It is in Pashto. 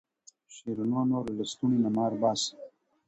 شېرینو نور له لسټوڼي نه مار باسه.